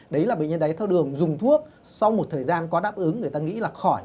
đấy là bệnh nhân đáy thao đường dùng thuốc sau một thời gian có đáp ứng người ta nghĩ là khỏi